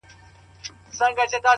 خدايه ښامار د لمر رڼا باندې راوښويدی-